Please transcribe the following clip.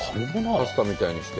パスタみたいにして。